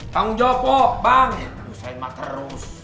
tanggung jawab pok bang nyusahin emak terus